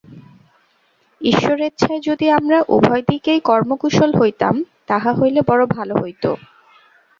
ঈশ্বরেচ্ছায় যদি আমরা উভয় দিকেই কর্মকুশল হইতাম, তাহা হইলে বড় ভাল হইত।